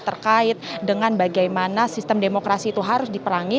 terkait dengan bagaimana sistem demokrasi itu harus diperangi